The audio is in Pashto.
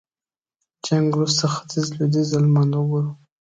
جنګ وروسته ختيځ لوېديځ المان وګورو.